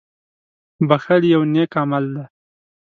• بښل یو نېک عمل دی.